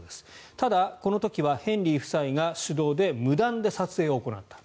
ただ、この時はヘンリー夫妻が主導で無断で撮影を行った。